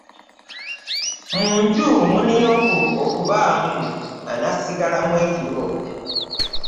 Mu nju mulina okubaamu anaasigalamu ekiro!